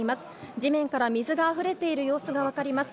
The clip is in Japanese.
地面から水があふれている様子が分かります。